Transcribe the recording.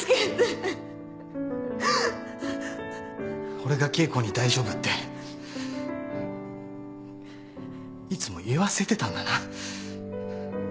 俺が恵子に「大丈夫」っていつも言わせてたんだな。